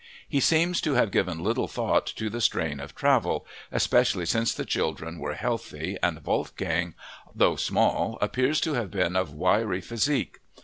He seems to have given little thought to the strain of travel, especially since the children were healthy and Wolfgang, though small, appears to have been of wiry physique.